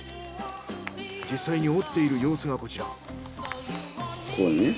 実際に折っている様子がこちら。